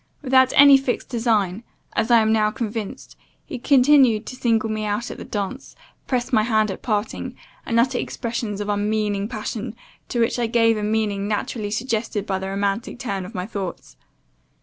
Without any fixed design, as I am now convinced, he continued to single me out at the dance, press my hand at parting, and utter expressions of unmeaning passion, to which I gave a meaning naturally suggested by the romantic turn of my thoughts.